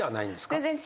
全然。